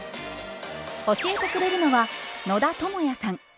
教えてくれるのは野田智也さん。